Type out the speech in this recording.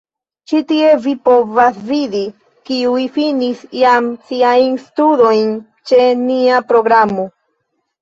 Ĉi tie vi povas vidi, kiuj finis jam siajn studojn ĉe nia programo.